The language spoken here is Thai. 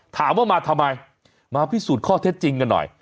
ถามว่ามาทำไมมาพิสูจน์ข้อเท็จจริงกันหน่อย